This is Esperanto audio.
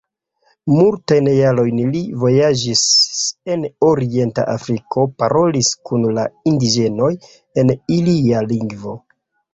Multajn jarojn li vojaĝis en orienta Afriko, parolis kun la indiĝenoj en ilia lingvo.